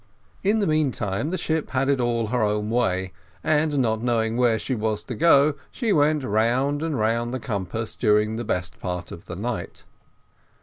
In the meantime the ship had it all her own way, and not knowing where she was to go she went round and round the compass during the best part of the night.